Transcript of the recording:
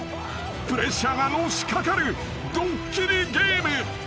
［プレッシャーがのしかかるドッキリゲーム］